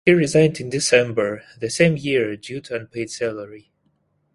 He resigned in December the same year due to unpaid salary.